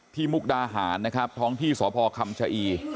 ที่มุกดาหารท้องที่สอบพคำชะอี